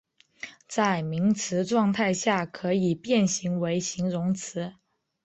在名词状态下可以变形为形容词。